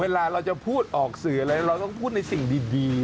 เวลาเราจะพูดออกสื่ออะไรเราต้องพูดในสิ่งดี